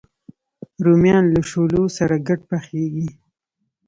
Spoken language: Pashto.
رومیان له شولو سره ګډ پخېږي